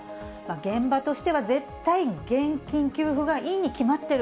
現場としては絶対現金給付がいいに決まってる。